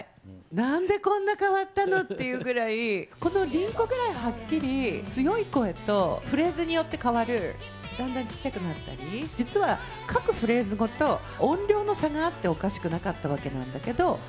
なんでこんな変わったの？っていうぐらい、このリンコぐらいはっきり強い声とフレーズによって変わるだんだん小っちゃくなったり、実は各フレーズごと、音量の差があっておかしくなかったわけなんだけど。